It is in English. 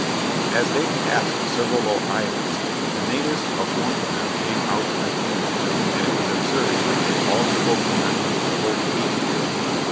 As they passed several low islands, the natives of one of them came out in their canoes, and it was observed that they all spoke the language of Otaheite.